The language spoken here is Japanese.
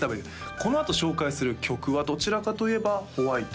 このあと紹介する曲はどちらかといえばホワイト？